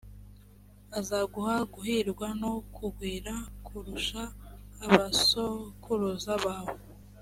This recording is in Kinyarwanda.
azaguha guhirwa no kugwira kurusha abasokuruza bawe.